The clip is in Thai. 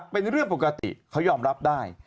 เป็นเรื่องปกติเขายอมรับได้